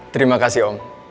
terima kasih om